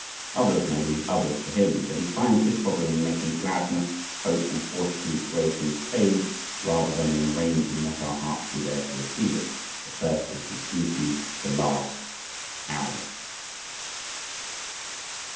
Others may lead others to him, but he finds his problem in making "gladness hope and fortitude flow from his page," rather than in arranging that our hearts be there to receive it. The first is his duty the last ours!